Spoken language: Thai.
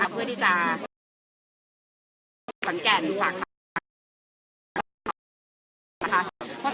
เพื่อที่จะสมัคร